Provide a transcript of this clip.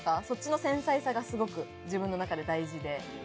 そっちの繊細さがすごく自分の中で大事で。